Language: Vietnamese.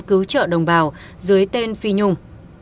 cứu trợ đồng bào dưới tên phi nhung